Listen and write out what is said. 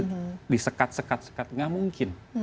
di mana kita disekat sekat sekat gak mungkin